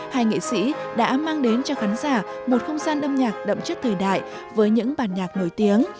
hai nghệ sĩ đã mang đến cho khán giả một không gian âm nhạc đậm chất thời đại với những bản nhạc nổi tiếng